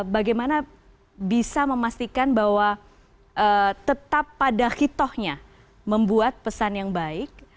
bagaimana bisa memastikan bahwa tetap pada hitohnya membuat pesan yang baik